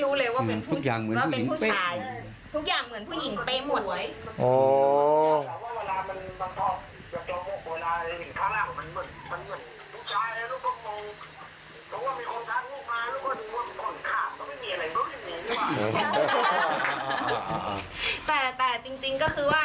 แต่จริงก็คือว่าเขาเหมือนผู้หญิงจริง